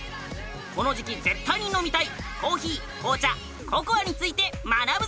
この時期絶対に飲みたいコーヒー紅茶ココアについて学ぶぞ！